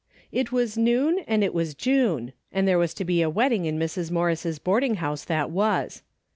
It was noon and it was June, and there was to be a wedding in Mrs. Morris' boarding house that Avas.